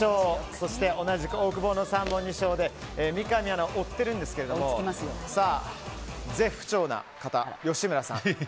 そしてオオクボーノさんも２勝で三上アナを追っているんですが絶不調な方、吉村さん。